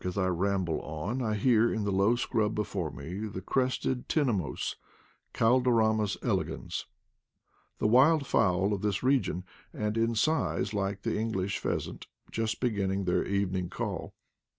as I ramble on I hear in the low scrub before me the crested tina mons (Calodromas elegans), the wild fowl of this . region, and in size like the English pheasant, just ' beginning their evening call.